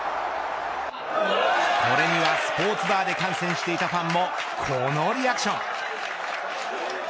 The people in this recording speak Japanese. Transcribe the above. これには、スポーツバーで観戦していたファンもこのリアクション。